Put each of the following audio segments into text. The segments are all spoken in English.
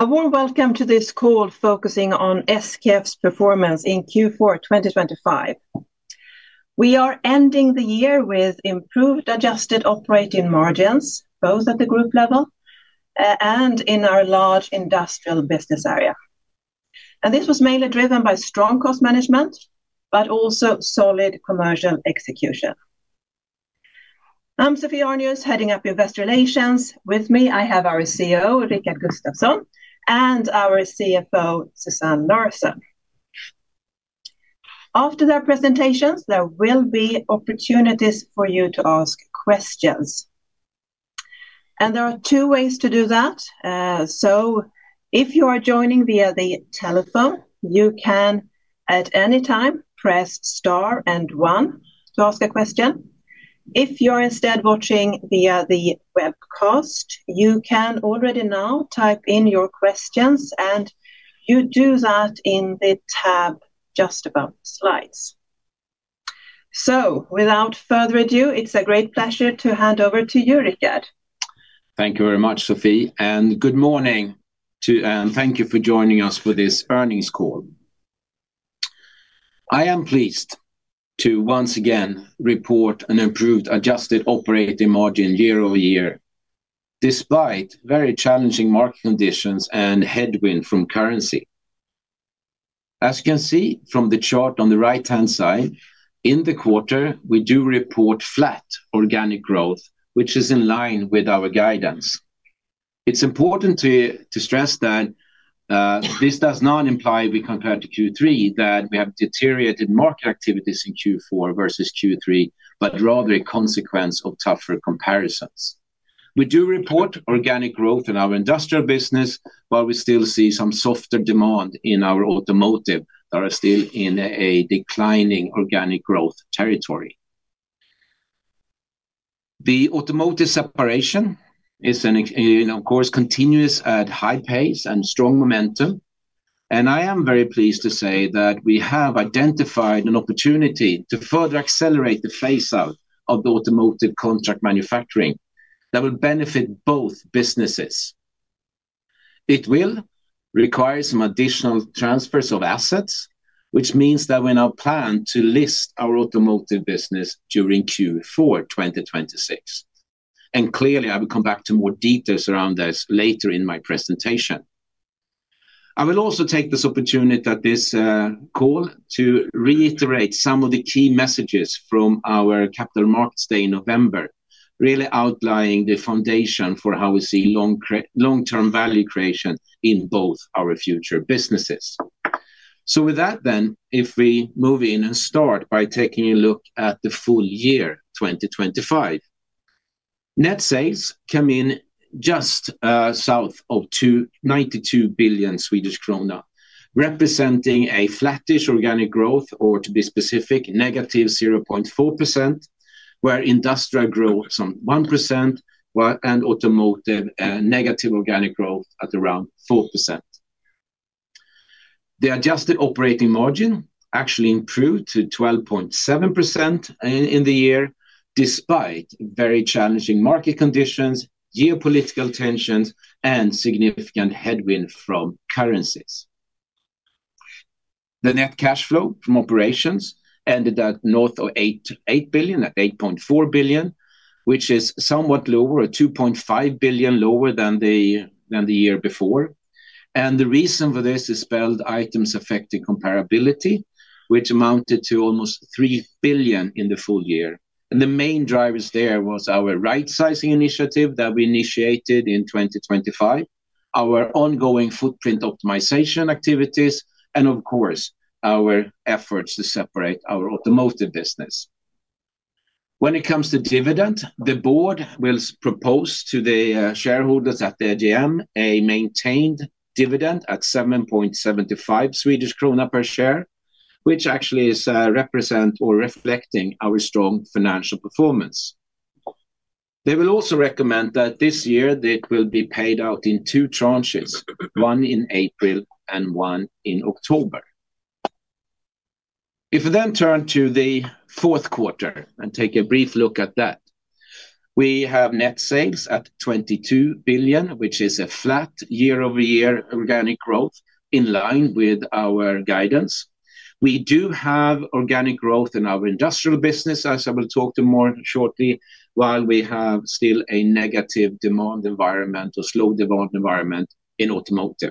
A warm welcome to this call focusing on SKF's performance in Q4 2025. We are ending the year with improved adjusted operating margins, both at the group level, and in our large industrial business area. This was mainly driven by strong cost management, but also solid commercial execution. I'm Sophie Arnius, heading up Investor Relations. With me, I have our CEO, Rickard Gustafson, and our CFO, Susanne Larsson. After their presentations, there will be opportunities for you to ask questions, and there are two ways to do that. So if you are joining via the telephone, you can, at any time, press star and one to ask a question. If you're instead watching via the webcast, you can already now type in your questions, and you do that in the tab just above slides. So without further ado, it's a great pleasure to hand over to you, Rickard. Thank you very much, Sophie, and good morning to, and thank you for joining us for this earnings call. I am pleased to once again report an improved adjusted operating margin year-over-year, despite very challenging market conditions and headwind from currency. As you can see from the chart on the right-hand side, in the quarter, we do report flat organic growth, which is in line with our guidance. It's important to stress that this does not imply we compared to Q3, that we have deteriorated market activities in Q4 versus Q3, but rather a consequence of tougher comparisons. We do report organic growth in our industrial business, but we still see some softer demand in our automotive that are still in a declining organic growth territory. The automotive separation is, of course, continuing at high pace and strong momentum, and I am very pleased to say that we have identified an opportunity to further accelerate the phase out of the automotive contract manufacturing that will benefit both businesses. It will require some additional transfers of assets, which means that we now plan to list our automotive business during Q4 2026, and clearly, I will come back to more details around this later in my presentation. I will also take this opportunity at this call to reiterate some of the key messages from our Capital Markets Day in November, really outlining the foundation for how we see long-term value creation in both our future businesses. With that then, if we move in and start by taking a look at the full year 2025. Net sales come in just south of 92 billion Swedish krona, representing a flattish organic growth, or to be specific, -0.4%, where industrial growth is on 1%, while and automotive negative organic growth at around 4%. The adjusted operating margin actually improved to 12.7% in the year, despite very challenging market conditions, geopolitical tensions, and significant headwind from currencies. The net cash flow from operations ended at north of 8 billion, at 8.4 billion, which is somewhat lower, at 2.5 billion lower than the year before. The reason for this is spelled items affecting comparability, which amounted to almost 3 billion in the full year. The main drivers there was our rightsizing initiative that we initiated in 2025, our ongoing footprint optimization activities, and of course, our efforts to separate our automotive business. When it comes to dividend, the board will propose to the shareholders at the AGM, a maintained dividend at 7.75 Swedish krona per share, which actually is representing or reflecting our strong financial performance. They will also recommend that this year it will be paid out in two tranches, one in April and one in October. If we then turn to the fourth quarter and take a brief look at that, we have net sales at 22 billion, which is a flat year-over-year organic growth in line with our guidance. We do have organic growth in our industrial business, as I will talk to more shortly, while we have still a negative demand environment or slow demand environment in automotive.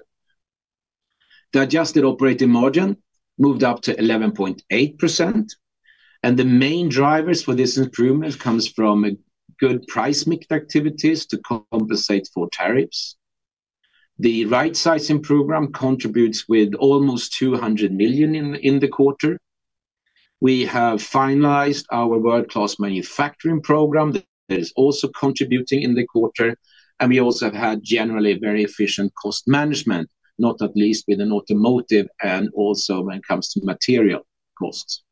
The adjusted operating margin moved up to 11.8%, and the main drivers for this improvement comes from a good price mix activities to compensate for tariffs. The rightsizing program contributes with almost 200 million in the quarter. We have finalized our World Class manufacturing program that is also contributing in the quarter, and we also have had generally very efficient cost management, not at least with an automotive, and also when it comes to material costs.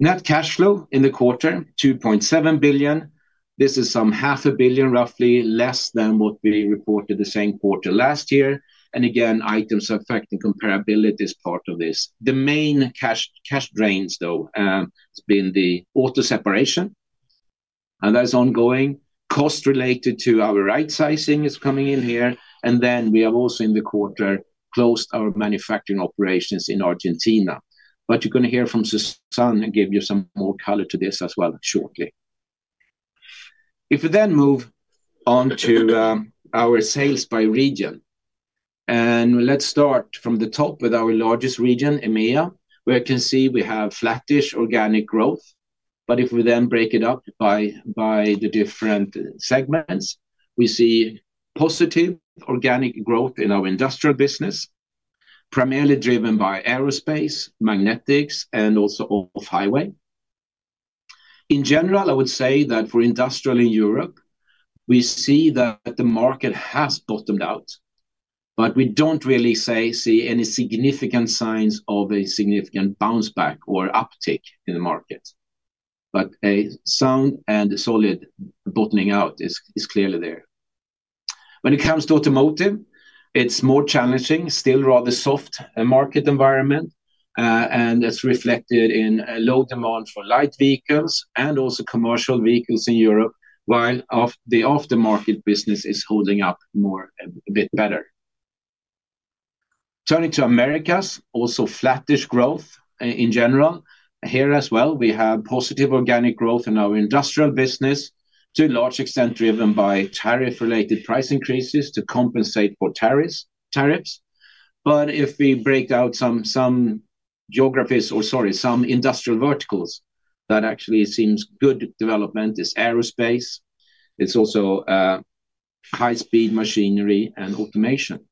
Net cash flow in the quarter, 2.7 billion. This is some half a billion, roughly, less than what we reported the same quarter last year. Again, items affecting comparability is part of this. The main cash drains, though, has been the auto separation. That's ongoing. Cost related to our Rightsizing is coming in here, and then we have also, in the quarter, closed our manufacturing operations in Argentina. But you're gonna hear from Susanne, and give you some more color to this as well shortly. If we then move on to our sales by region, and let's start from the top with our largest region, EMEA, where you can see we have flattish organic growth. But if we then break it up by the different segments, we see positive organic growth in our industrial business, primarily driven by aerospace, magnetics, and also off-highway. In general, I would say that for industrial in Europe, we see that the market has bottomed out, but we don't really see any significant signs of a significant bounce back or uptick in the market. But a sound and solid bottoming out is clearly there. When it comes to automotive, it's more challenging, still rather soft market environment, and it's reflected in a low demand for light vehicles and also commercial vehicles in Europe, while the aftermarket business is holding up more, a bit better. Turning to Americas, also flattish growth in general. Here as well, we have positive organic growth in our industrial business, to a large extent, driven by tariff-related price increases to compensate for tariffs. But if we break out some geographies, or sorry, some industrial verticals, that actually seems good development is aerospace. It's also high speed machinery and automation.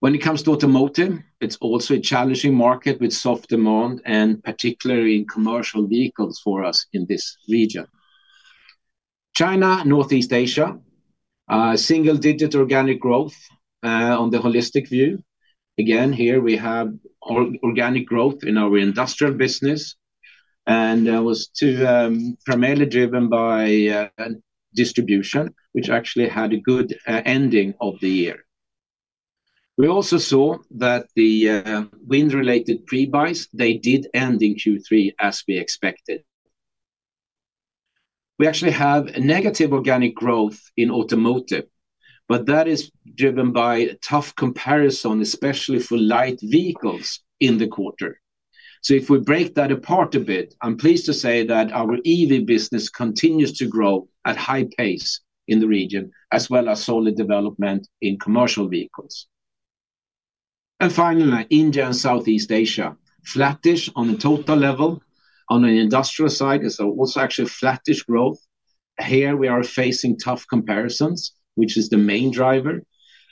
When it comes to automotive, it's also a challenging market with soft demand, and particularly in commercial vehicles for us in this region. China, Northeast Asia, single-digit organic growth on the holistic view. Again, here we have organic growth in our industrial business, and was to primarily driven by distribution, which actually had a good ending of the year. We also saw that the wind-related pre-buys they did end in Q3 as we expected. We actually have a negative organic growth in automotive, but that is driven by a tough comparison, especially for light vehicles in the quarter. So if we break that apart a bit, I'm pleased to say that our EV business continues to grow at high pace in the region, as well as solid development in commercial vehicles. Finally, India and Southeast Asia, flattish on a total level. On an industrial side, it's also actually flattish growth. Here we are facing tough comparisons, which is the main driver.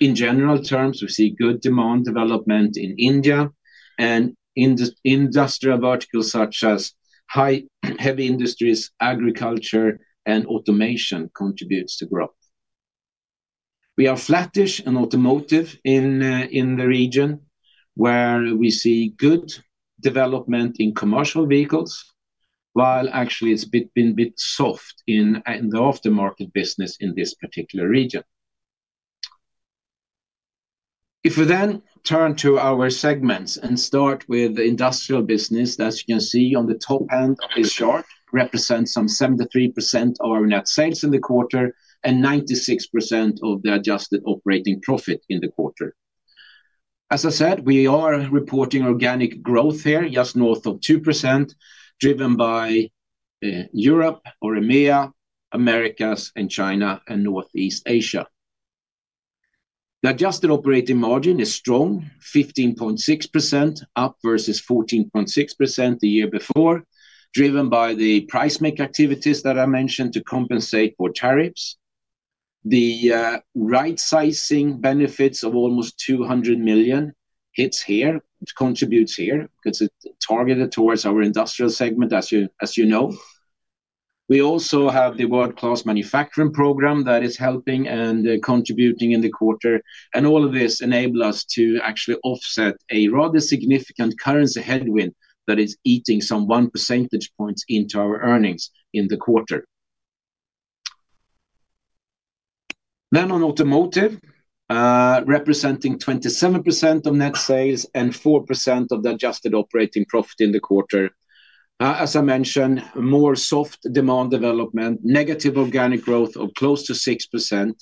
In general terms, we see good demand development in India and industrial verticals such as heavy industries, agriculture, and automation contributes to growth. We are flattish in automotive in the region, where we see good development in commercial vehicles, while actually it's been a bit soft in the aftermarket business in this particular region. If we then turn to our segments and start with the industrial business, as you can see on the top end of this chart, represents some 73% of our net sales in the quarter and 96% of the adjusted operating profit in the quarter. As I said, we are reporting organic growth here, just north of 2%, driven by Europe or EMEA, Americas, and China, and Northeast Asia. The adjusted operating margin is strong, 15.6%, up versus 14.6% the year before, driven by the price mix activities that I mentioned to compensate for tariffs. The right sizing benefits of almost 200 million hits here, contributes here, 'cause it's targeted towards our industrial segment, as you, as you know. We also have the World Class manufacturing program that is helping and contributing in the quarter. And all of this enable us to actually offset a rather significant currency headwind that is eating some 1 percentage points into our earnings in the quarter. Then on automotive, representing 27% of net sales and 4% of the adjusted operating profit in the quarter. As I mentioned, more soft demand development, negative organic growth of close to 6%.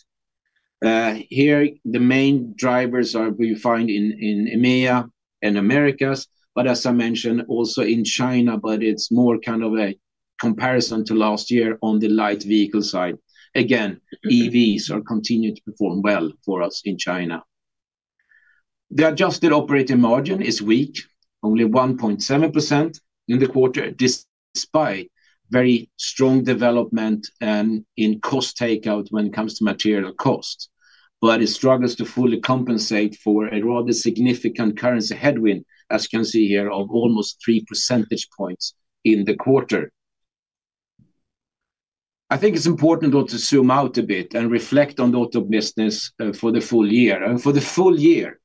Here, the main drivers are, we find in EMEA and Americas, but as I mentioned, also in China, but it's more kind of a comparison to last year on the light vehicle side. Again, EVs are continuing to perform well for us in China. The adjusted operating margin is weak, only 1.7% in the quarter, despite very strong development and in cost takeout when it comes to material cost. But it struggles to fully compensate for a rather significant currency headwind, as you can see here, of almost 3 percentage points in the quarter. I think it's important, though, to zoom out a bit and reflect on the auto business, for the full year. And for the full year,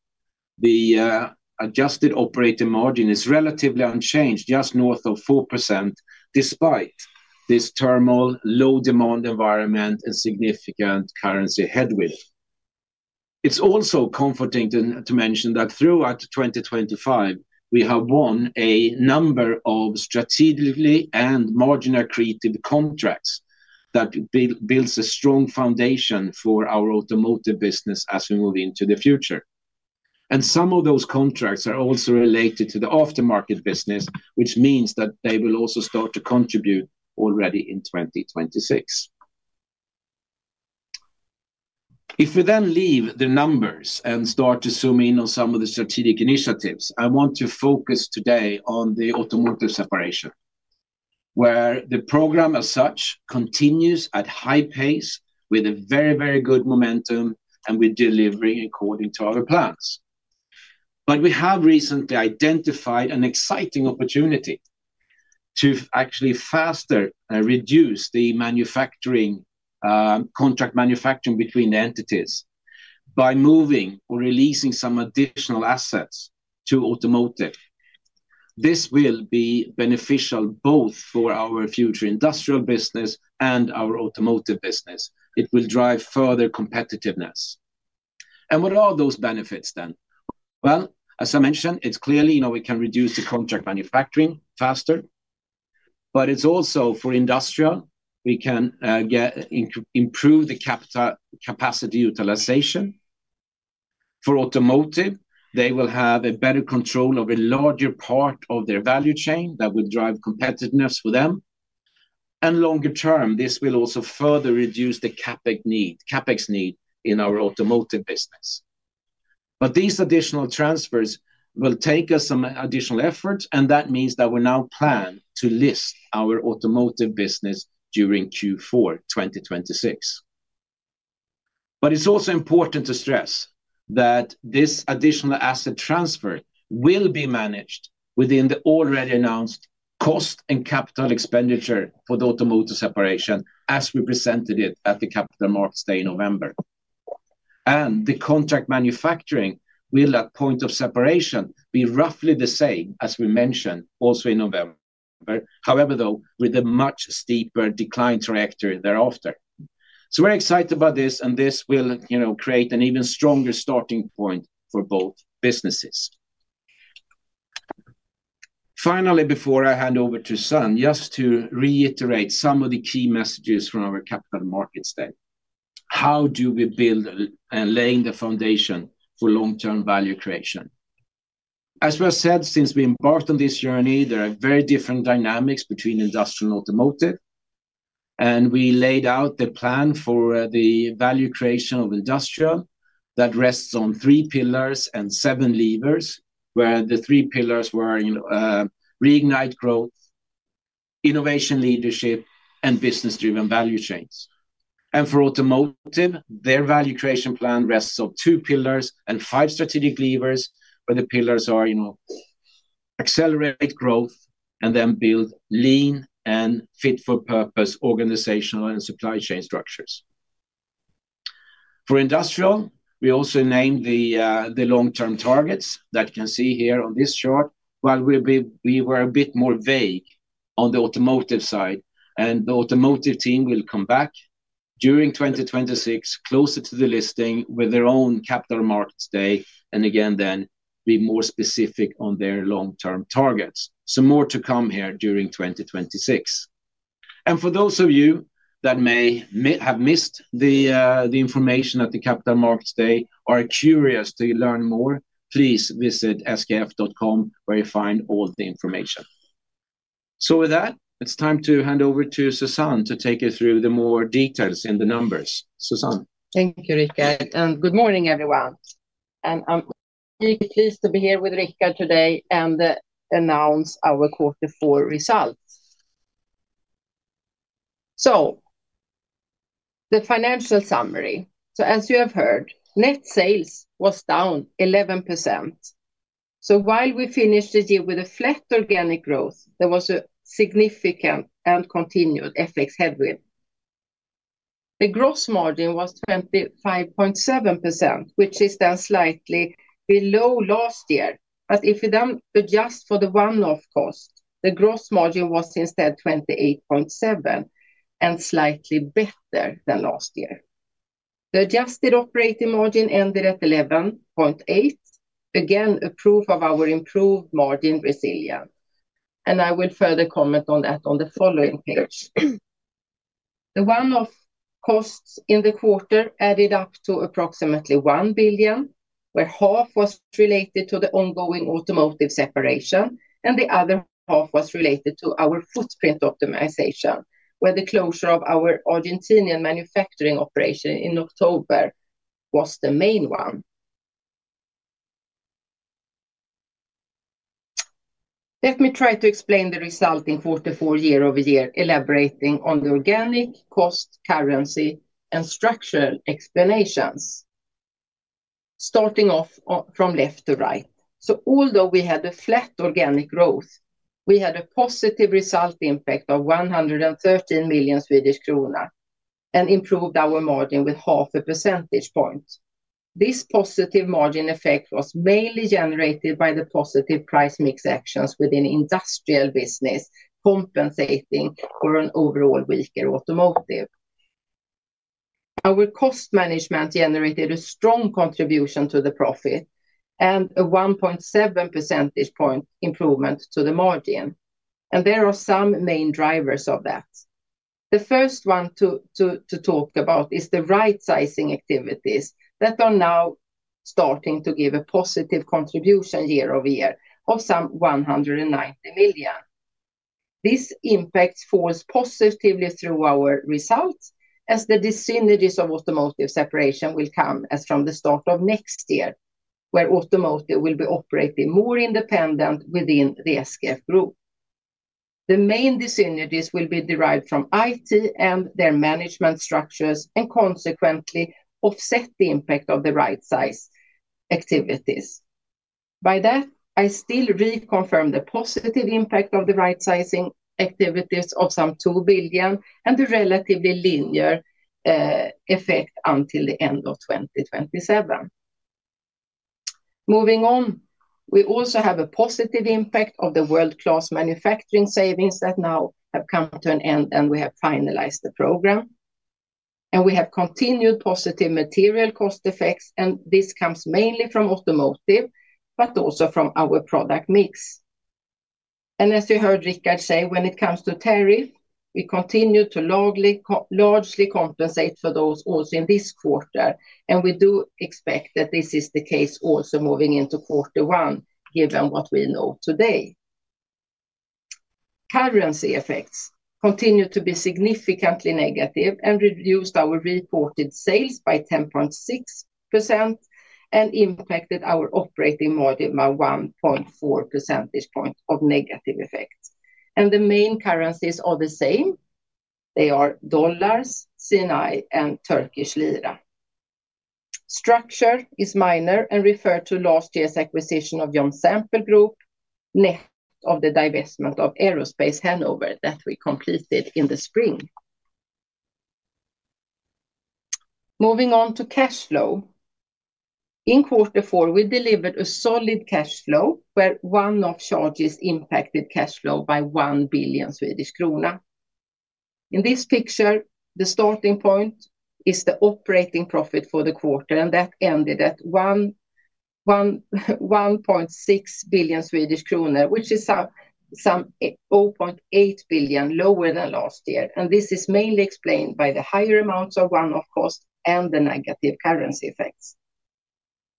adjusted operating margin is relatively unchanged, just north of 4%, despite this terminal low demand environment and significant currency headwind. It's also comforting to mention that throughout 2025, we have won a number of strategically and margin-accretive contracts that builds a strong foundation for our automotive business as we move into the future. And some of those contracts are also related to the aftermarket business, which means that they will also start to contribute already in 2026. If we then leave the numbers and start to zoom in on some of the strategic initiatives, I want to focus today on the automotive separation, where the program, as such, continues at high pace with a very, very good momentum and with delivery according to our plans. But we have recently identified an exciting opportunity to actually faster reduce the manufacturing contract manufacturing between the entities by moving or releasing some additional assets to automotive. This will be beneficial both for our future industrial business and our automotive business. It will drive further competitiveness. And what are those benefits, then? Well, as I mentioned, it's clearly, you know, we can reduce the contract manufacturing faster, but it's also for industrial, we can improve the capacity utilization. For automotive, they will have a better control of a larger part of their value chain that will drive competitiveness for them, and longer term, this will also further reduce the CapEx need, CapEx need in our automotive business. But these additional transfers will take us some additional effort, and that means that we now plan to list our automotive business during Q4, 2026. But it's also important to stress that this additional asset transfer will be managed within the already announced cost and capital expenditure for the automotive separation, as we presented it at the Capital Markets Day in November. And the contract manufacturing will, at point of separation, be roughly the same as we mentioned, also in November. However, though, with a much steeper decline trajectory thereafter. So we're excited about this, and this will, you know, create an even stronger starting point for both businesses. Finally, before I hand over to Susanne, just to reiterate some of the key messages from our Capital Markets Day. How do we build and laying the foundation for long-term value creation? As was said, since we embarked on this journey, there are very different dynamics between industrial and automotive, and we laid out the plan for the value creation of industrial that rests on three pillars and seven levers, where the three pillars were, you know, reignite growth, innovation leadership, and business-driven value chains. And for automotive, their value creation plan rests on two pillars and five strategic levers, where the pillars are, you know, accelerate growth and then build lean and fit-for-purpose organizational and supply chain structures. For industrial, we also named the long-term targets that you can see here on this chart. While we were a bit more vague on the automotive side, and the automotive team will come back during 2026, closer to the listing, with their own Capital Markets Day, and again, then be more specific on their long-term targets. So more to come here during 2026. And for those of you that may have missed the information at the Capital Markets Day, or are curious to learn more, please visit skf.com, where you find all the information. So with that, it's time to hand over to Susanne to take you through the more details in the numbers. Susanne? Thank you, Rickard, and good morning, everyone. I'm really pleased to be here with Rickard today and announce our quarter four results. The financial summary. As you have heard, net sales was down 11%. While we finished the year with a flat organic growth, there was a significant and continued FX headwind. The gross margin was 25.7%, which is down slightly below last year. But if you don't adjust for the one-off cost, the gross margin was instead 28.7%, and slightly better than last year. The adjusted operating margin ended at 11.8%, again, a proof of our improved margin resilience, and I will further comment on that on the following page. The one-off costs in the quarter added up to approximately 1 billion, where half was related to the ongoing automotive separation, and the other half was related to our footprint optimization, where the closure of our Argentinian manufacturing operation in October was the main one. Let me try to explain the result in quarter four, year-over-year, elaborating on the organic cost, currency, and structural explanations. Starting off on, from left to right. So although we had a flat organic growth, we had a positive result impact of 113 million Swedish krona, and improved our margin with half a percentage point. This positive margin effect was mainly generated by the positive price mix actions within industrial business, compensating for an overall weaker automotive. Our cost management generated a strong contribution to the profit and a 1.7 percentage point improvement to the margin, and there are some main drivers of that. The first one to talk about is the rightsizing activities that are now starting to give a positive contribution year-over-year of some 190 million. This impact falls positively through our results, as the dyssynergies of automotive separation will come as from the start of next year, where automotive will be operating more independent within the SKF Group. The main dyssynergies will be derived from IT and their management structures and consequently, offset the impact of the rightsizing activities. By that, I still reconfirm the positive impact of the rightsizing activities of some 2 billion and the relatively linear effect until the end of 2027. Moving on, we also have a positive impact of the world-class manufacturing savings that now have come to an end, and we have finalized the program. We have continued positive material cost effects, and this comes mainly from automotive, but also from our product mix. As you heard Rickard say, when it comes to tariff, we continue to largely, largely compensate for those also in this quarter, and we do expect that this is the case also moving into quarter one, given what we know today. Currency effects continue to be significantly negative and reduced our reported sales by 10.6% and impacted our operating margin by 1.4 percentage point of negative effects. The main currencies are the same. They are dollars, CNY and Turkish lira. Structure is minor and referred to last year's acquisition of John Sample Group, net of the divestment of aerospace Hanover that we completed in the spring. Moving on to cash flow. In quarter four, we delivered a solid cash flow, where one-off charges impacted cash flow by 1 billion Swedish krona. In this picture, the starting point is the operating profit for the quarter, and that ended at 1.6 billion Swedish kronor, which is up some 4.8 billion lower than last year, and this is mainly explained by the higher amounts of one-off costs and the negative currency effects.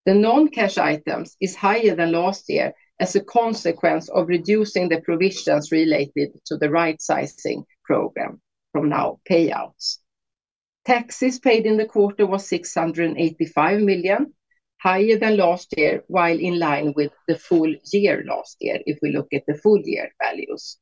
The non-cash items is higher than last year as a consequence of reducing the provisions related to the right sizing program from now payouts. Taxes paid in the quarter was 685 million, higher than last year, while in line with the full year last year, if we look at the full year values.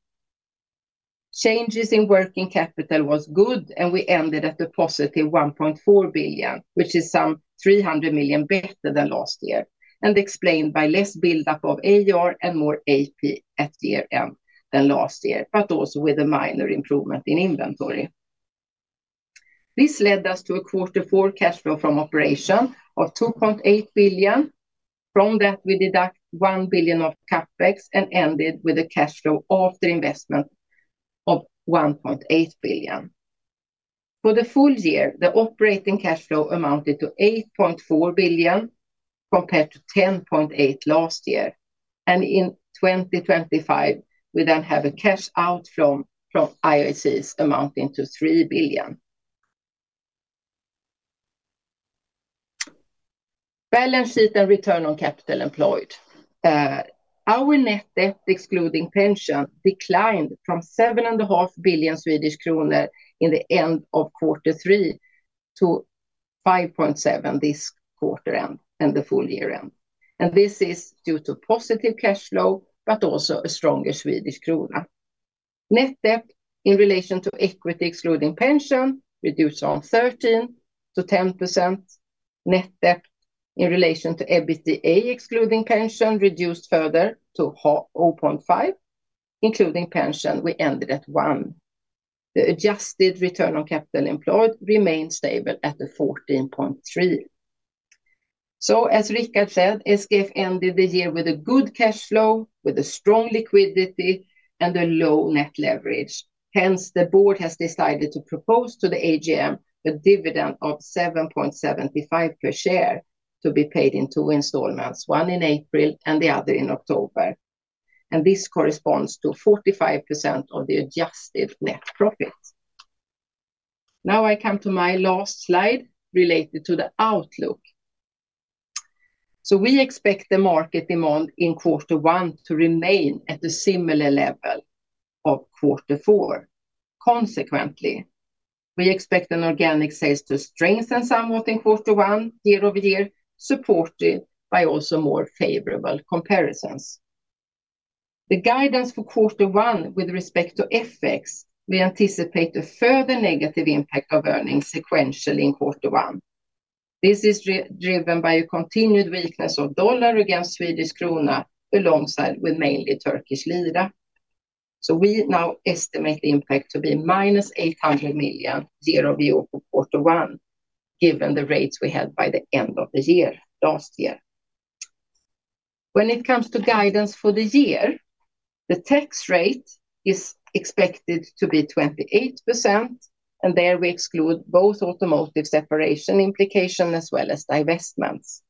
Changes in working capital was good, and we ended at a positive 1.4 billion, which is some 300 million better than last year, and explained by less buildup of AR and more AP at year end than last year, but also with a minor improvement in inventory. This led us to a quarter four cash flow from operation of 2.8 billion. From that, we deduct 1 billion of CapEx and ended with a cash flow after investment of 1.8 billion. For the full year, the operating cash flow amounted to 8.4 billion compared to 10.8 billion last year. In 2025, we then have a cash outflow from IACs amounting to SEK 3 billion. Balance sheet and return on capital employed. Our net debt, excluding pension, declined from 7.5 billion Swedish kronor in the end of quarter three to 5.7 billion this quarter end and the full year end. And this is due to positive cash flow, but also a stronger Swedish krona. Net debt in relation to equity, excluding pension, reduced from 13% to 10%. Net debt in relation to EBITDA, excluding pension, reduced further to 0.5%, including pension, we ended at 1. The adjusted return on capital employed remained stable at 14.3%. As Rickard said, SKF ended the year with a good cash flow, with a strong liquidity and a low net leverage. Hence, the board has decided to propose to the AGM a dividend of 7.75 per share to be paid in two installments, one in April and the other in October, and this corresponds to 45% of the adjusted net profits. Now, I come to my last slide related to the outlook. So we expect the market demand in quarter one to remain at a similar level of quarter four. Consequently, we expect an organic sales to strengthen somewhat in quarter one year-over-year, supported by also more favorable comparisons. The guidance for quarter one with respect to FX, we anticipate a further negative impact of earnings sequentially in quarter one. This is driven by a continued weakness of dollar against Swedish krona, alongside with mainly Turkish lira. So we now estimate the impact to be -800 million year-over-year for quarter one, given the rates we had by the end of the year, last year. When it comes to guidance for the year, the tax rate is expected to be 28%, and there we exclude both automotive separation implication as well as divestments.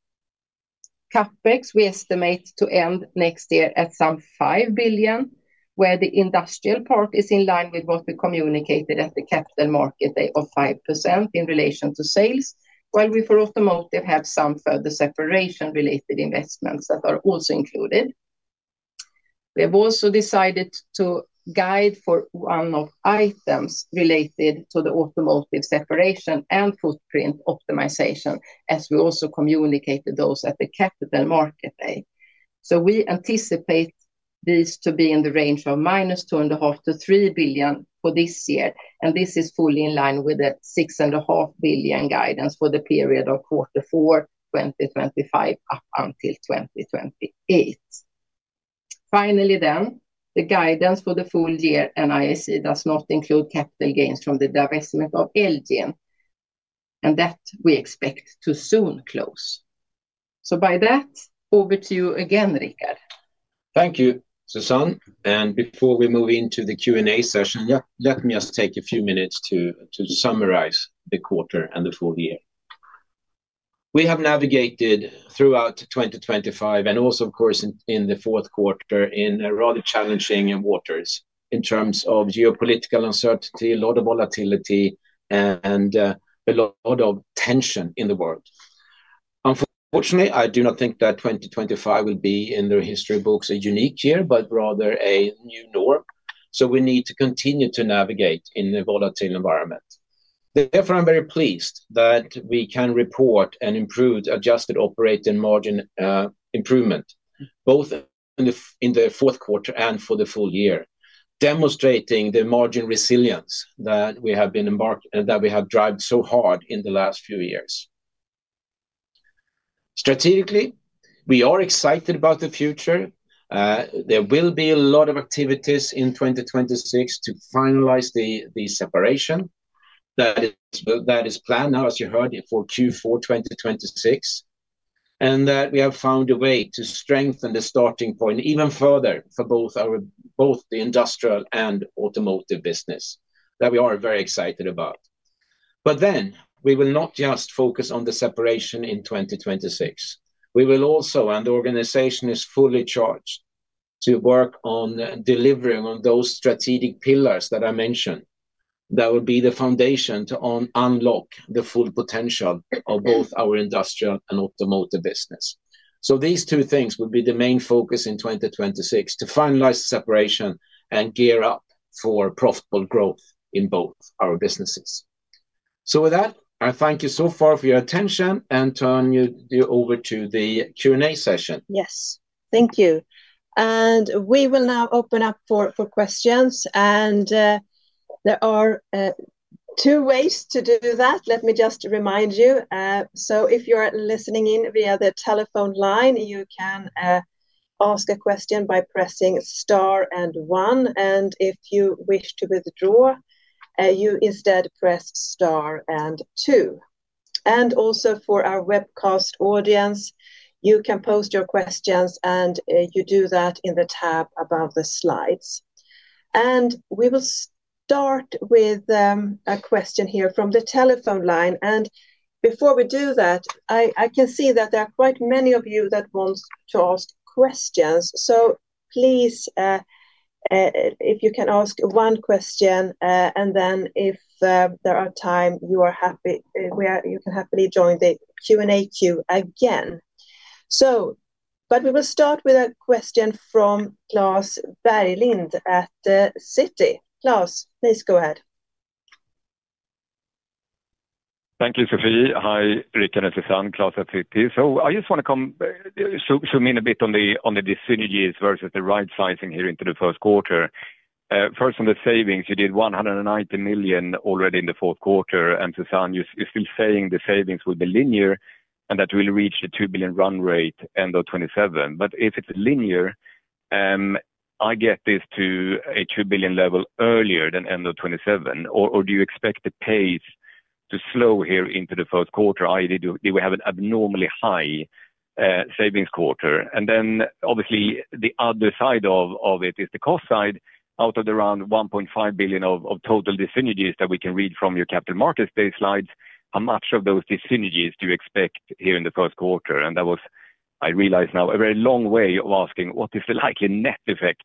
CapEx, we estimate to end next year at some 5 billion, where the industrial part is in line with what we communicated at the Capital Markets Day of 5% in relation to sales, while we for automotive have some further separation-related investments that are also included. We have also decided to guide for one-off items related to the automotive separation and footprint optimization, as we also communicated those at the Capital Markets Day. So we anticipate this to be in the range of -2.5 billion to 3 billion for this year, and this is fully in line with the 6.5 billion guidance for the period of quarter four 2025 up until 2028. Finally, then, the guidance for the full year and uncertain does not include capital gains from the divestment of Elgin, and that we expect to soon close. So by that, over to you again, Rickard. Thank you, Susanne. Before we move into the Q&A session, yeah, let me just take a few minutes to summarize the quarter and the full year. We have navigated throughout 2025, and also, of course, in the fourth quarter, in rather challenging waters in terms of geopolitical uncertainty, a lot of volatility, and a lot of tension in the world. Unfortunately, I do not think that 2025 will be, in the history books, a unique year, but rather a new norm, so we need to continue to navigate in a volatile environment. Therefore, I'm very pleased that we can report an improved adjusted operating margin improvement, both in the fourth quarter and for the full year, demonstrating the margin resilience that we have driven so hard in the last few years. Strategically, we are excited about the future. There will be a lot of activities in 2026 to finalize the separation that is planned now, as you heard, for Q4 2026. And that we have found a way to strengthen the starting point even further for both the industrial and automotive business, that we are very excited about. But then, we will not just focus on the separation in 2026. We will also, and the organization is fully charged, to work on delivering on those strategic pillars that I mentioned. That would be the foundation to unlock the full potential of both our industrial and automotive business. So these two things will be the main focus in 2026: to finalize the separation and gear up for profitable growth in both our businesses. So with that, I thank you so far for your attention and turn you over to the Q&A session. Yes. Thank you. And we will now open up for questions, and there are two ways to do that. Let me just remind you. So if you are listening in via the telephone line, you can ask a question by pressing star and one, and if you wish to withdraw, you instead press star and two. And also for our webcast audience, you can post your questions, and you do that in the tab above the slides. And we will start with a question here from the telephone line. And before we do that, I can see that there are quite many of you that wants to ask questions. So please, if you can ask one question, and then if there are time, you are happy, you can happily join the Q&A queue again. So, but we will start with a question from Klas Bergelind at Citi. Klas, please go ahead. Thank you, Sophie. Hi, Rickard and Susanne, Klas at Citi. So I just wanna come zoom in a bit on the synergies versus the right sizing here into the first quarter. First, on the savings, you did 190 million already in the fourth quarter, and Susanne, you're still saying the savings will be linear, and that will reach the 2 billion run rate end of 2027. But if it's linear, I get this to a 2 billion level earlier than end of 2027, or do you expect the pace to slow here into the first quarter, i.e., do we have an abnormally high savings quarter? And then, obviously, the other side of it is the cost side. Out of the around 1.5 billion of total dyssynergies that we can read from your Capital Markets Day slides, how much of those dyssynergies do you expect here in the first quarter? And that was, I realize now, a very long way of asking, what is the likely net effect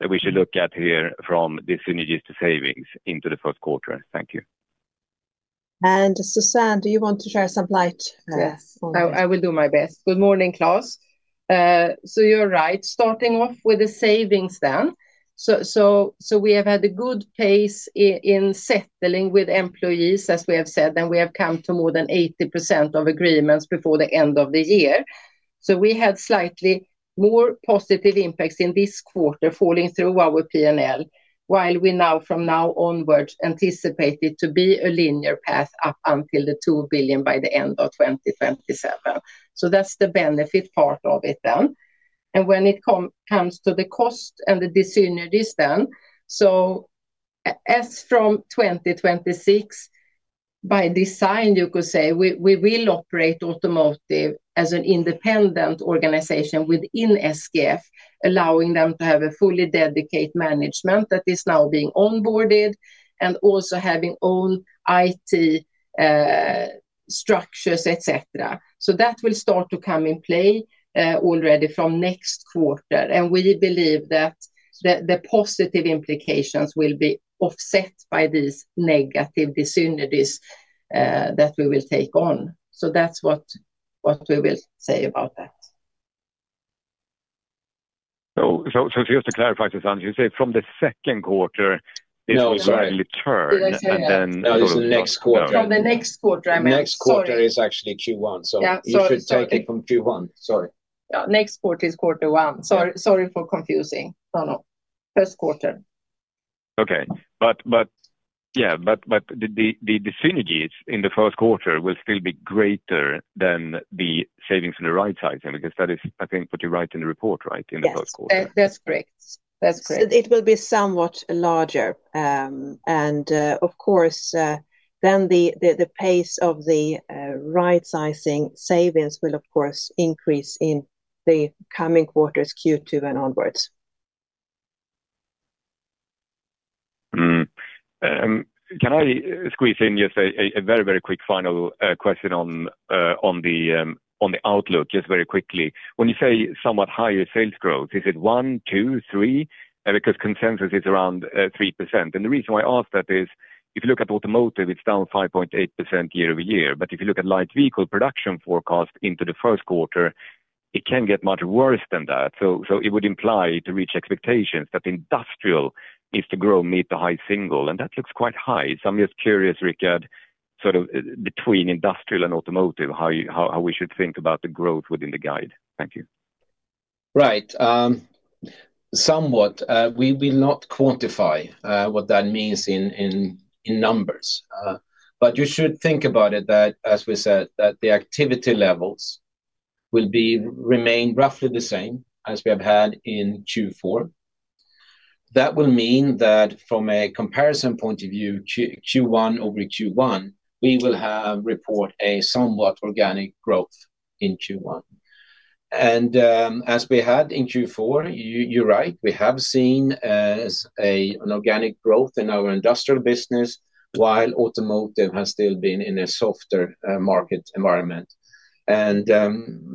that we should look at here from the synergies to savings into the first quarter? Thank you. Susanne, do you want to shed some light on that? Yes, I will do my best. Good morning, Klas. So you're right. Starting off with the savings then. So we have had a good pace in settling with employees, as we have said, and we have come to more than 80% of agreements before the end of the year. So we had slightly more positive impacts in this quarter falling through our P&L, while we now, from now onwards, anticipate it to be a linear path up until the 2 billion by the end of 2027. So that's the benefit part of it then. And when it comes to the cost and the dyssynergies then. As from 2026, by design, you could say, we, we will operate Automotive as an independent organization within SKF, allowing them to have a fully dedicated management that is now being onboarded, and also having own IT structures, et cetera. So that will start to come in play already from next quarter, and we believe that the positive implications will be offset by these negative dyssynergies that we will take on. So that's what, what we will say about that. So, just to clarify, Susanne, you say from the second quarter- No, sorry. This will slightly turn, and then- Did I say that? No, it's next quarter. From the next quarter, I meant, sorry. Next quarter is actually Q1, so- Yeah, sorry, sorry. You should take it from Q1. Sorry. Yeah, next quarter is quarter one. Sorry, sorry for confusing. No, no, first quarter. Okay. But yeah, but the synergies in the first quarter will still be greater than the savings from the rightsizing, because that is, I think, what you write in the report, right? In the first quarter. Yes, that's correct. That's correct. It will be somewhat larger. And, of course, then the pace of the rightsizing savings will, of course, increase in the coming quarters, Q2 and onwards. Can I squeeze in just a very, very quick final question on the outlook, just very quickly. When you say somewhat higher sales growth, is it 1%, 2%, 3%? Because consensus is around 3%. And the reason why I ask that is, if you look at automotive, it's down 5.8% year-over-year, but if you look at light vehicle production forecast into the first quarter, it can get much worse than that. So it would imply, to reach expectations, that Industrial needs to grow, meet the high single, and that looks quite high. So I'm just curious, Rickard, sort of, between industrial and automotive, how we should think about the growth within the guide? Thank you. Right. Somewhat, we will not quantify what that means in numbers. But you should think about it that, as we said, that the activity levels will be remain roughly the same as we have had in Q4. That will mean that from a comparison point of view, Q1 over Q1, we will have report a somewhat organic growth in Q1. And, as we had in Q4, you're right, we have seen an organic growth in our industrial business, while Automotive has still been in a softer market environment. And,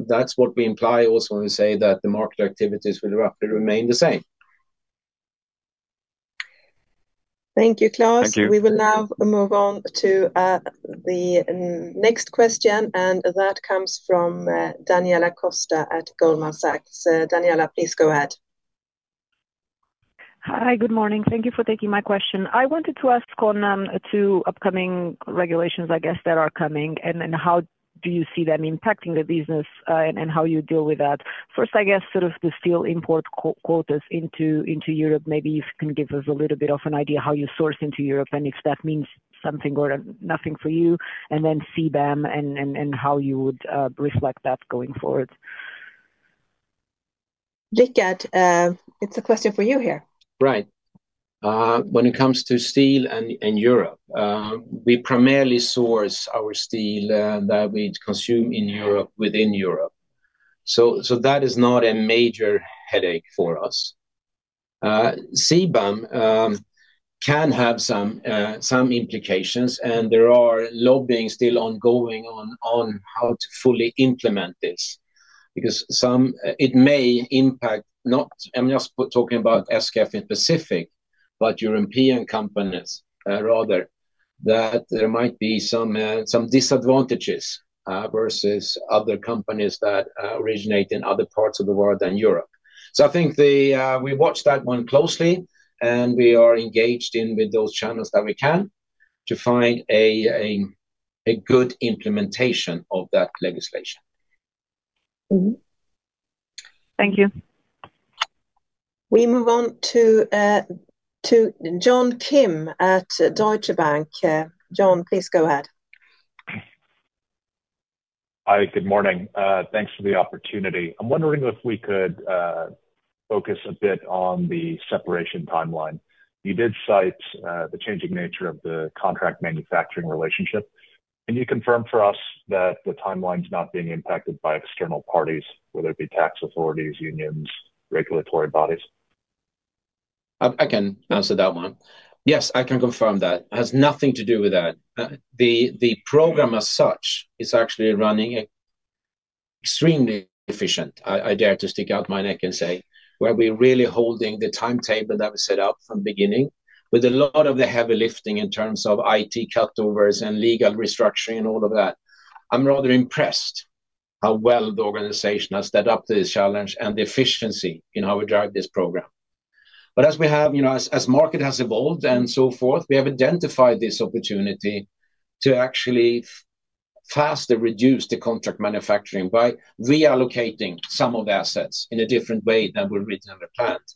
that's what we imply also when we say that the market activities will roughly remain the same. Thank you, Klas. Thank you. We will now move on to the next question, and that comes from Daniela Costa at Goldman Sachs. Daniela, please go ahead. Hi, good morning. Thank you for taking my question. I wanted to ask about upcoming regulations, I guess, that are coming, and then how do you see them impacting the business, and how you deal with that? First, I guess, sort of the steel import quotas into, into Europe, maybe you can give us a little bit of an idea how you source into Europe, and if that means something or nothing for you, and then CBAM and how you would reflect that going forward. Rickard, it's a question for you here. Right. When it comes to steel and Europe, we primarily source our steel that we consume in Europe, within Europe. So that is not a major headache for us. CBAM can have some implications, and there are lobbying still ongoing on how to fully implement this, because some it may impact not. I'm just talking about SKF in specific, but European companies rather that there might be some disadvantages versus other companies that originate in other parts of the world than Europe. So I think we watch that one closely, and we are engaged in with those channels that we can to find a good implementation of that legislation. Thank you. We move on to, to John Kim at Deutsche Bank. John, please go ahead. Hi, good morning. Thanks for the opportunity. I'm wondering if we could focus a bit on the separation timeline. You did cite the changing nature of the contract manufacturing relationship. Can you confirm for us that the timeline's not being impacted by external parties, whether it be tax authorities, unions, regulatory bodies? I can answer that one. Yes, I can confirm that. It has nothing to do with that. The program as such is actually running extremely efficient. I dare to stick out my neck and say, where we're really holding the timetable that was set up from beginning, with a lot of the heavy lifting in terms of IT cutovers and legal restructuring and all of that. I'm rather impressed how well the organization has stepped up to this challenge and the efficiency in how we drive this program. But as we have, you know, as market has evolved and so forth, we have identified this opportunity to actually faster reduce the contract manufacturing by reallocating some of the assets in a different way than we originally planned.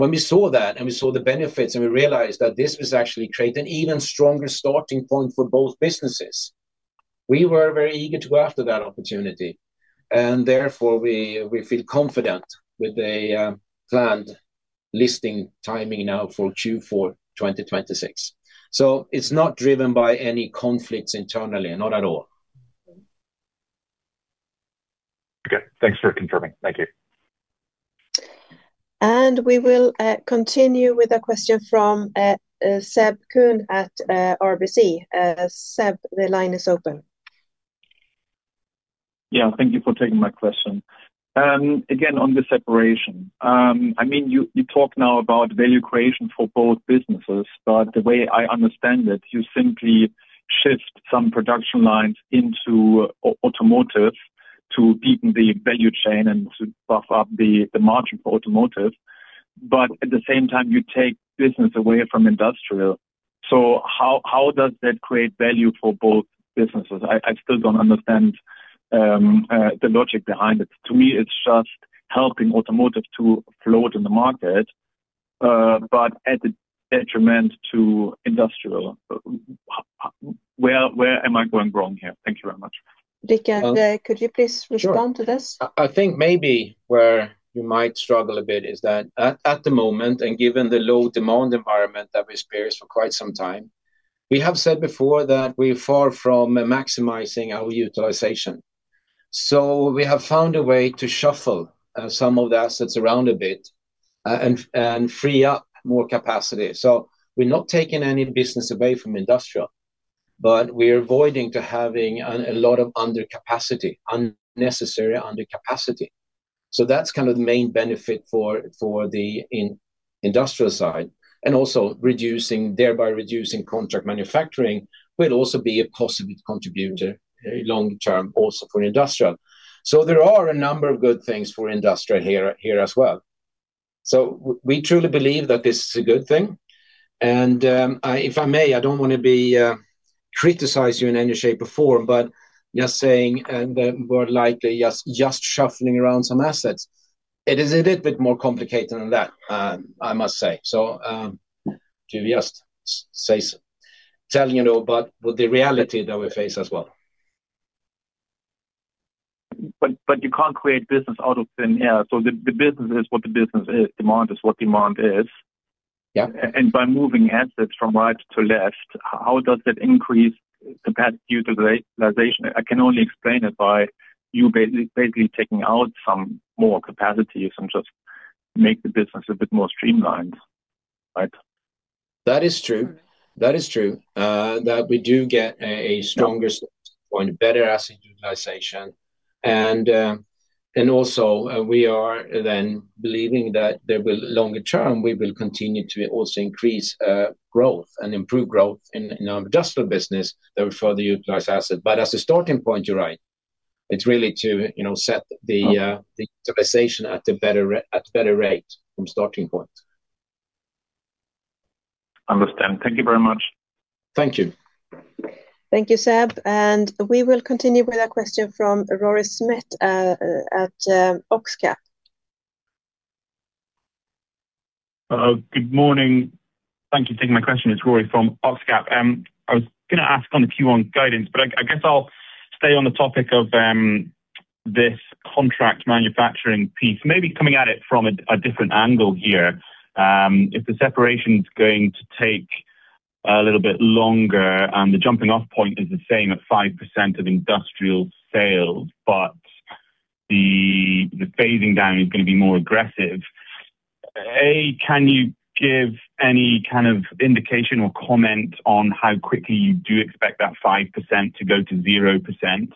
When we saw that, and we saw the benefits, and we realized that this was actually create an even stronger starting point for both businesses. We were very eager to go after that opportunity, and therefore, we feel confident with a planned listing timing now for Q4 2026. So it's not driven by any conflicts internally, not at all. Okay, thanks for confirming. Thank you. We will continue with a question from Seb Kuenne at RBC. Seb, the line is open. Yeah, thank you for taking my question. Again, on the separation, I mean, you talk now about value creation for both businesses, but the way I understand it, you simply shift some production lines into automotive to deepen the value chain and to buff up the margin for automotive. But at the same time, you take business away from industrial. So how does that create value for both businesses? I still don't understand the logic behind it. To me, it's just helping automotive to float in the market, but at the detriment to industrial. Where am I going wrong here? Thank you very much. Rickard, could you please respond to this? Sure. I think maybe where you might struggle a bit is that at the moment, and given the low demand environment that we experienced for quite some time, we have said before that we're far from maximizing our utilization. So we have found a way to shuffle some of the assets around a bit, and free up more capacity. So we're not taking any business away from industrial, but we're avoiding having a lot of undercapacity, unnecessary undercapacity. So that's kind of the main benefit for the industrial side, and also reducing, thereby reducing contract manufacturing will also be a positive contributor long term also for industrial. So there are a number of good things for industrial here as well. So we truly believe that this is a good thing, and, if I may, I don't want to be criticize you in any shape or form, but just saying, and, more likely, just shuffling around some assets, it is a little bit more complicated than that, I must say. So, to just say telling you about the reality that we face as well. But you can't create business out of thin air, so the business is what the business is. Demand is what demand is. Yeah. By moving assets from right to left, how does that increase capacity utilization? I can only explain it by, you basically taking out some more capacities and just make the business a bit more streamlined, right? That is true. That is true, that we do get a stronger starting point, better asset utilization. And also, we are then believing that there will, longer term, we will continue to also increase growth and improve growth in our industrial business that will further utilize asset. But as a starting point, you're right. It's really to, you know, set the utilization at a better rate from starting point. Understand. Thank you very much. Thank you. Thank you, Seb. We will continue with a question from Rory Smith at Oxcap. Good morning. Thank you for taking my question. It's Rory from Oxcap. I was gonna ask on the Q1 guidance, but I guess I'll stay on the topic of this contract manufacturing piece, maybe coming at it from a different angle here. If the separation's going to take a little bit longer, the jumping off point is the same at 5% of industrial sales, but the phasing down is gonna be more aggressive. Can you give any kind of indication or comment on how quickly you do expect that 5% to go to 0%?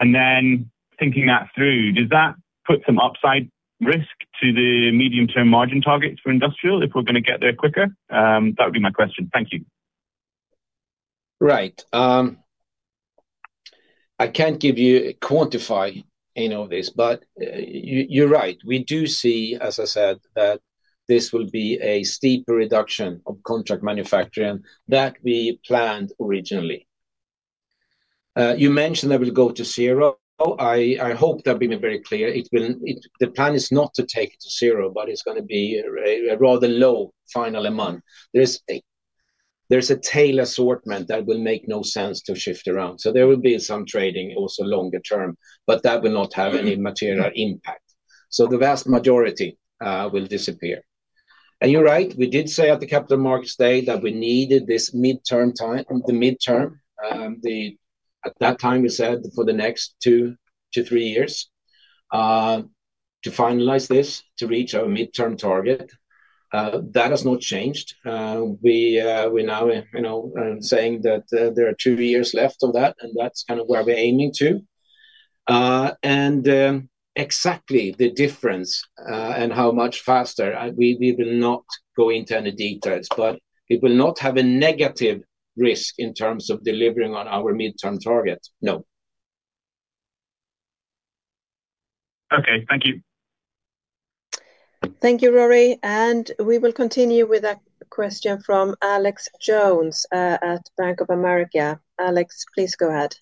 And then thinking that through, does that put some upside risk to the medium-term margin targets for industrial if we're gonna get there quicker? That would be my question. Thank you. Right. I can't quantify any of this, but you, you're right. We do see, as I said, that this will be a steeper reduction of contract manufacturing than we planned originally. You mentioned that we'll go to zero. I hope that been very clear. It. The plan is not to take it to zero, but it's gonna be a, a rather low final amount. There's a, there's a tail assortment that will make no sense to shift around, so there will be some trading also longer term, but that will not have any material impact. So the vast majority, will disappear. You're right, we did say at the Capital Markets Day that we needed this midterm time, the midterm, at that time, we said for the next two to three years to finalize this, to reach our midterm target. That has not changed. We, we now, you know, saying that, there are two years left of that, and that's kind of where we're aiming to. And, exactly the difference, and how much faster, we, we will not go into any details, but it will not have a negative risk in terms of delivering on our midterm target. No. Okay. Thank you. Thank you, Rory, and we will continue with a question from Alex Jones at Bank of America. Alex, please go ahead.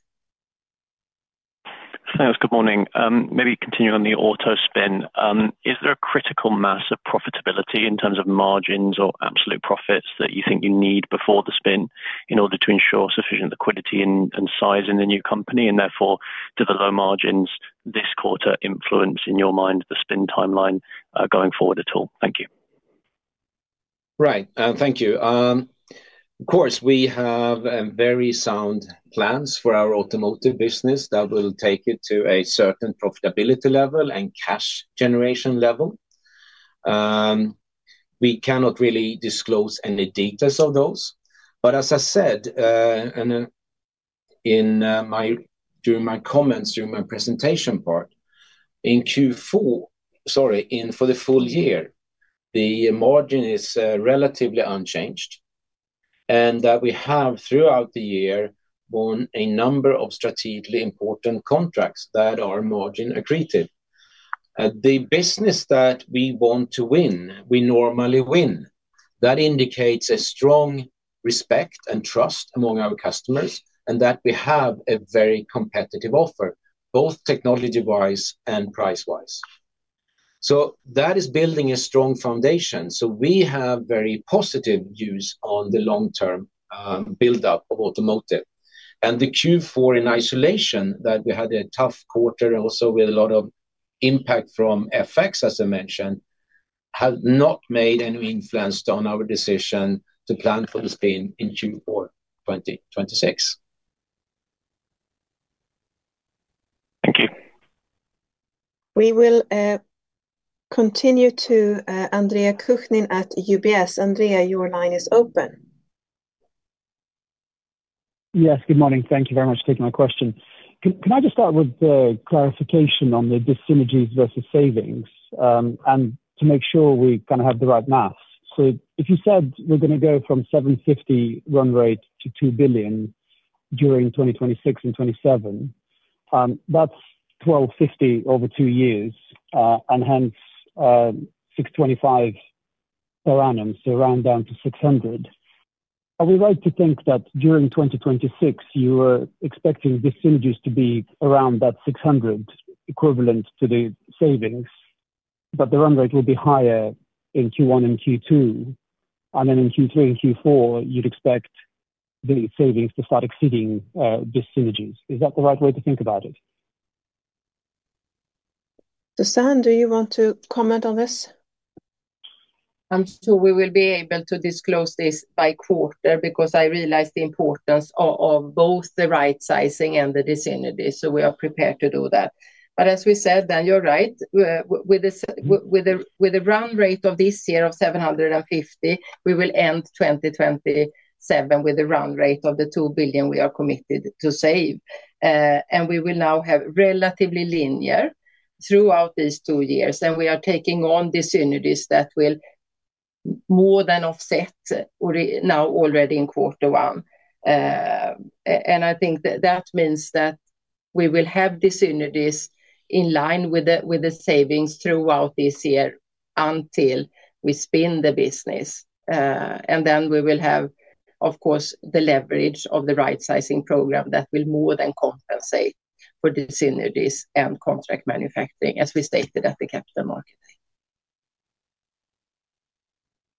Thanks. Good morning. Maybe continuing on the auto spin, is there a critical mass of profitability in terms of margins or absolute profits that you think you need before the spin in order to ensure sufficient liquidity and size in the new company? And therefore, do the low margins this quarter influence, in your mind, the spin timeline going forward at all? Thank you. Right. Thank you. Of course, we have very sound plans for our automotive business that will take it to a certain profitability level and cash generation level. We cannot really disclose any details of those. But as I said, and in my comments during my presentation part, in Q4—sorry, for the full year, the margin is relatively unchanged, and that we have throughout the year won a number of strategically important contracts that are margin accretive. The business that we want to win, we normally win. That indicates a strong respect and trust among our customers, and that we have a very competitive offer, both technology-wise and price-wise. So that is building a strong foundation. So we have very positive views on the long-term buildup of automotive. The Q4 in isolation, that we had a tough quarter and also with a lot of impact from FX, as I mentioned, has not made any influence on our decision to plan for the spin in Q4 2026. Thank you. We will continue to Andre Kukhnin at UBS. Andre, your line is open. Yes, good morning. Thank you very much for taking my question. Can I just start with the clarification on the dyssynergies versus savings? To make sure we kind of have the right math. So if you said we're going to go from 750 million run rate to 2 billion during 2026 and 2027, that's 1.250 billion over two years, and hence, 625 million per annum, so round down to 600 million. Are we right to think that during 2026, you were expecting dyssynergies to be around that 600 million equivalent to the savings, but the run rate will be higher in Q1 and Q2, and then in Q3 and Q4, you'd expect the savings to start exceeding dyssynergies? Is that the right way to think about it? Susanne, do you want to comment on this? I'm sure we will be able to disclose this by quarter, because I realize the importance of both the rightsizing and the dyssynergies, so we are prepared to do that. But as we said, then you're right. With the run rate of this year of 750 million, we will end 2027 with a run rate of the 2 billion we are committed to save. And we will now have relatively linear throughout these two years, and we are taking on dyssynergies that will more than offset now already in quarter one. And I think that that means that we will have dyssynergies in line with the savings throughout this year until we spin the business. And then we will have, of course, the leverage of the rightsizing program that will more than compensate for dyssynergies and contract manufacturing, as we stated at the Capital Markets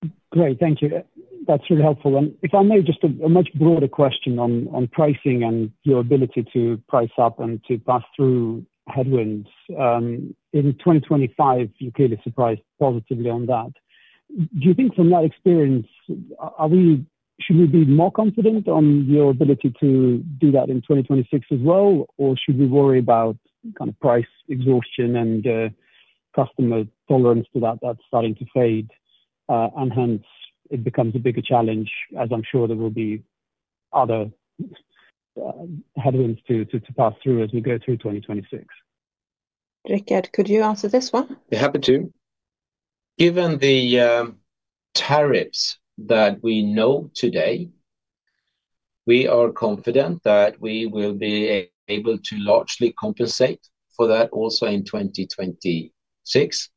Day. Great, thank you. That's really helpful. And if I may, just a much broader question on pricing and your ability to price up and to pass through headwinds. In 2025, you clearly surprised positively on that. Do you think from that experience, are we—should we be more confident on your ability to do that in 2026 as well? Or should we worry about kind of price exhaustion and customer tolerance to that, that's starting to fade, and hence it becomes a bigger challenge, as I'm sure there will be other headwinds to pass through as we go through 2026? Rickard, could you answer this one? Be happy to. Given the tariffs that we know today, we are confident that we will be able to largely compensate for that also in 2026,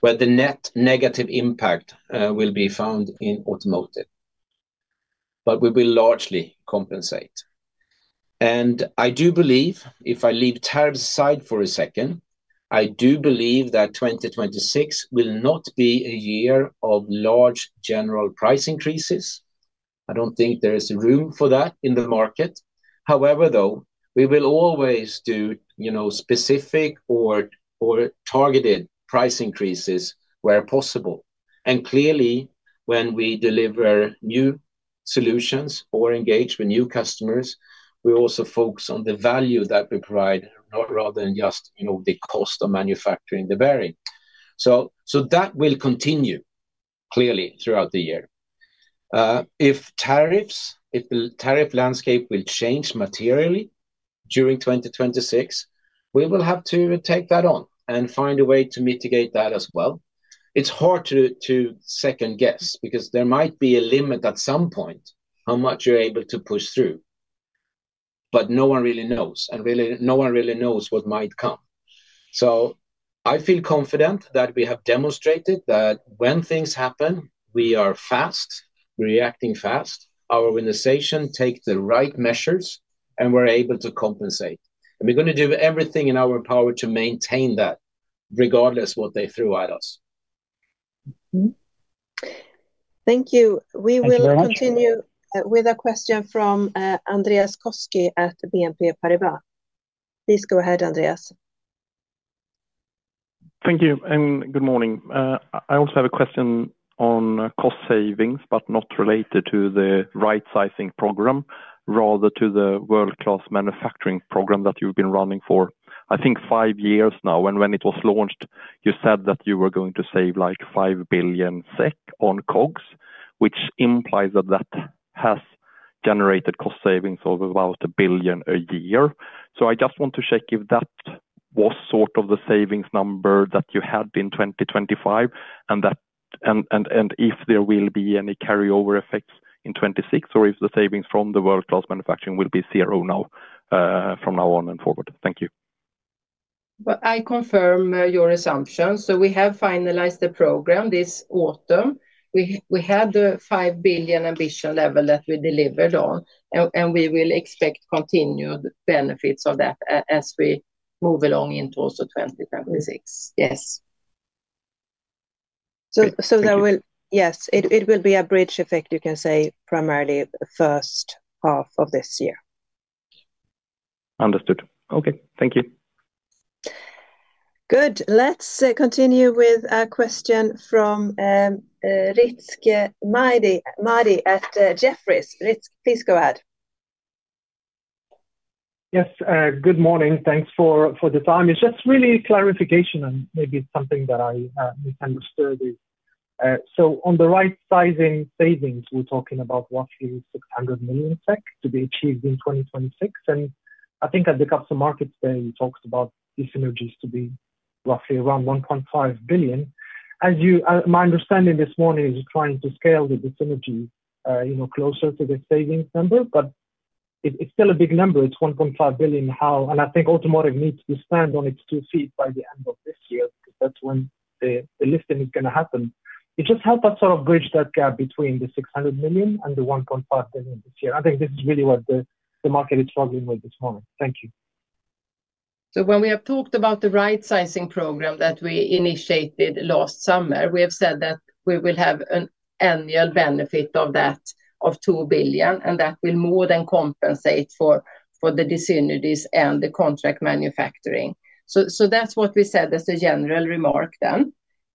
where the net negative impact will be found in automotive. But we will largely compensate. And I do believe, if I leave tariffs aside for a second, I do believe that 2026 will not be a year of large general price increases. I don't think there is room for that in the market. However, though, we will always do, you know, specific or targeted price increases where possible. And clearly, when we deliver new solutions or engage with new customers, we also focus on the value that we provide, not rather than just, you know, the cost of manufacturing the bearing. So that will continue clearly throughout the year. If tariffs, if the tariff landscape will change materially during 2026, we will have to take that on and find a way to mitigate that as well. It's hard to second guess, because there might be a limit at some point, how much you're able to push through, but no one really knows, and really, no one really knows what might come. I feel confident that we have demonstrated that when things happen, we are fast, reacting fast. Our organization take the right measures, and we're able to compensate. And we're gonna do everything in our power to maintain that, regardless what they throw at us. Thank you. Thank you very much. We will continue with a question from Andreas Koski at BNP Paribas. Please go ahead, Andreas. Thank you, and good morning. I also have a question on cost savings, but not related to the right sizing program, rather to the world-class manufacturing program that you've been running for, I think five years now. And when it was launched, you said that you were going to save, like, 5 billion SEK on COGS, which implies that that has generated cost savings of about 1 billion a year. So I just want to check if that was sort of the savings number that you had in 2025, and that, and if there will be any carryover effects in 2026, or if the savings from the world-class manufacturing will be zero now, from now on and forward? Thank you. Well, I confirm your assumption. So we have finalized the program this autumn. We had the 5 billion ambition level that we delivered on, and we will expect continued benefits of that as we move along into also 2026. Yes. Thank you. So, there will... Yes, it will be a bridge effect, you can say, primarily the first half of this year. Understood. Okay, thank you. Good. Let's continue with a question from Rizk Maidi at Jefferies. Rizk, please go ahead. Yes, good morning. Thanks for the time. It's just really clarification and maybe something that I misunderstood is. So on the rightsizing savings, we're talking about roughly 600 million SEK to be achieved in 2026. And I think at the Capital Markets Day today, you talked about dyssynergies to be roughly around 1.5 billion. As you, my understanding this morning is you're trying to scale the dyssynergy, you know, closer to the savings number, but it, it's still a big number. It's 1.5 billion how, and I think automotive needs to stand on its two feet by the end of this year, because that's when the lifting is gonna happen. Can you just help us sort of bridge that gap between the 600 million and the 1.5 billion this year? I think this is really what the market is struggling with this morning. Thank you. So when we have talked about the right sizing program that we initiated last summer, we have said that we will have an annual benefit of that, of 2 billion, and that will more than compensate for the dyssynergies and the contract manufacturing. So that's what we said as a general remark then.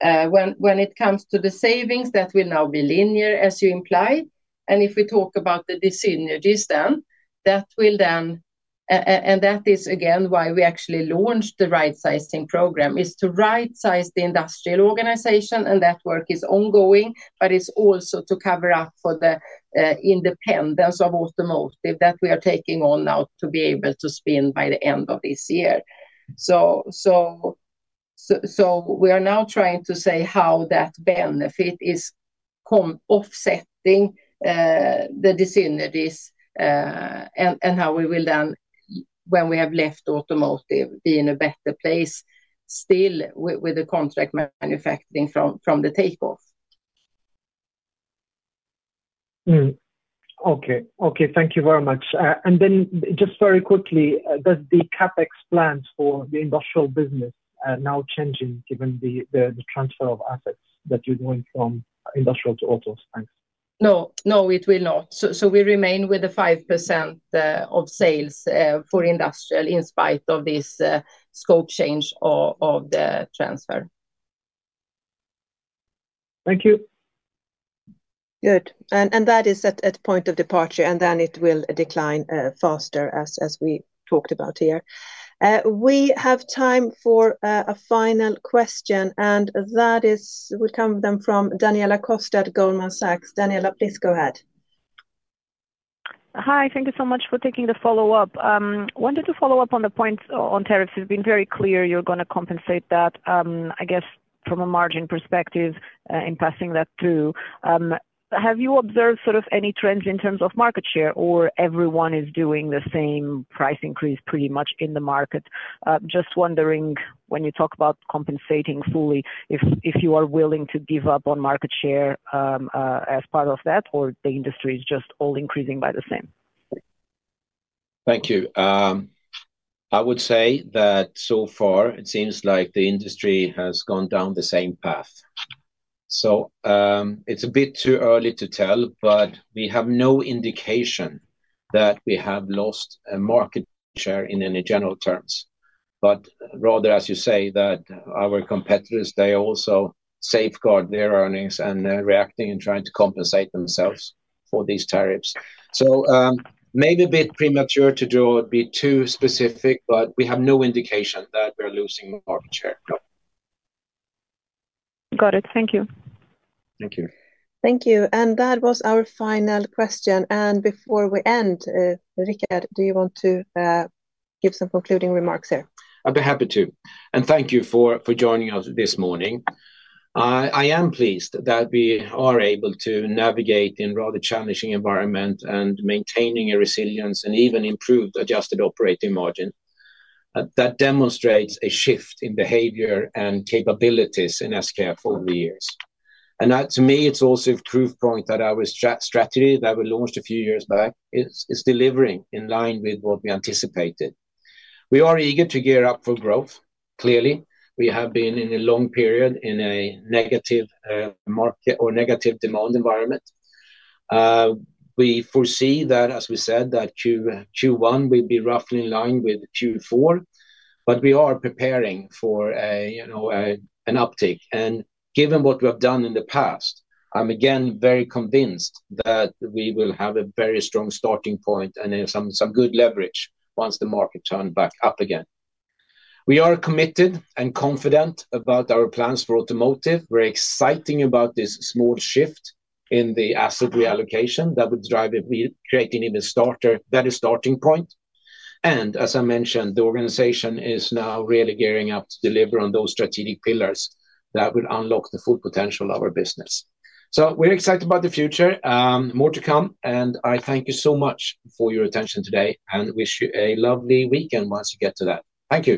When it comes to the savings, that will now be linear, as you imply. And if we talk about the dyssynergies, then that will then and that is again why we actually launched the right sizing program, is to right size the industrial organization, and that work is ongoing, but it's also to cover up for the independence of automotive that we are taking on now to be able to spin by the end of this year. So we are now trying to say how that benefit is coming offsetting the dyssynergies, and how we will then, when we have left automotive, be in a better place, still with the contract manufacturing from the takeoff. Okay. Okay, thank you very much. And then just very quickly, does the CapEx plans for the industrial business are now changing given the transfer of assets that you're doing from industrial to autos? Thanks. No, no, it will not. So we remain with the 5% of sales for industrial in spite of this scope change of the transfer. Thank you. Good. And that is at point of departure, and then it will decline faster, as we talked about here. We have time for a final question, and that is... will come then from Daniela Costa at Goldman Sachs. Daniela, please go ahead. Hi, thank you so much for taking the follow-up. Wanted to follow up on the points on tariffs. You've been very clear you're gonna compensate that, I guess, from a margin perspective, in passing that through. Have you observed sort of any trends in terms of market share, or everyone is doing the same price increase pretty much in the market? Just wondering, when you talk about compensating fully, if you are willing to give up on market share, as part of that, or the industry is just all increasing by the same? Thank you. I would say that so far, it seems like the industry has gone down the same path. So, it's a bit too early to tell, but we have no indication that we have lost a market share in any general terms. But rather, as you say, that our competitors, they also safeguard their earnings, and they're reacting and trying to compensate themselves for these tariffs. So, maybe a bit premature to draw, a bit too specific, but we have no indication that we're losing market share. No. Got it. Thank you. Thank you. Thank you. That was our final question. Before we end, Rickard, do you want to give some concluding remarks here? I'd be happy to. Thank you for joining us this morning. I am pleased that we are able to navigate in rather challenging environment and maintaining a resilience and even improved adjusted operating margin. That demonstrates a shift in behavior and capabilities in SKF over the years. That, to me, it's also a proof point that our strategy that we launched a few years back is delivering in line with what we anticipated. We are eager to gear up for growth, clearly. We have been in a long period in a negative market or negative demand environment. We foresee that, as we said, that Q1 will be roughly in line with Q4, but we are preparing for a, you know, an uptick. Given what we have done in the past, I'm again very convinced that we will have a very strong starting point and then some good leverage once the market turns back up again. We are committed and confident about our plans for automotive. We're excited about this small shift in the asset reallocation that would drive it; we're creating in the starter, that is, starting point. As I mentioned, the organization is now really gearing up to deliver on those strategic pillars that will unlock the full potential of our business. So we're excited about the future. More to come, and I thank you so much for your attention today and wish you a lovely weekend once you get to that. Thank you.